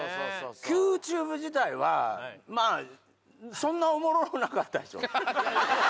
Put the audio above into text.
「ＱＴｕｂｅ」自体はまぁそんなおもろなかったでしょ？